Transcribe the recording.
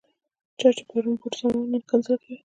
چا چې پرون بوټ سمول، نن کنځل کوي.